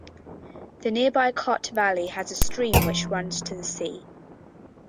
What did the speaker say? The nearby Cot Valley has a stream which runs to the sea.